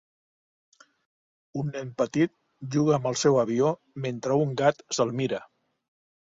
Un nen petit juga amb el seu avió mentre un gat se'l mira